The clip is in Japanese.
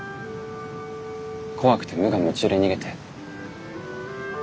怖くて無我夢中で逃げて。